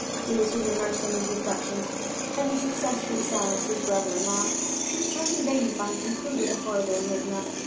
Lewis was immersed in these reflections, having successfully silenced his brother in law; he was trying in vain to find some clue to the horrible enigma.